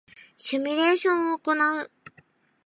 シミュレーションを行う